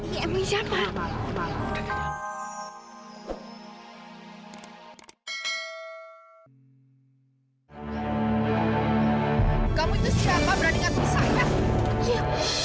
kamu itu siapa berani ngasih saya